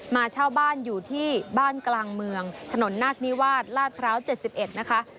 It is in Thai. เช่าบ้านอยู่ที่บ้านกลางเมืองถนนนาคนิวาสลาดพร้าว๗๑นะคะ